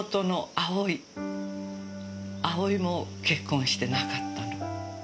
葵も結婚してなかったの。